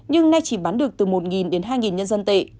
nhưng nay chỉ bán được từ một đến hai nhân dân tệ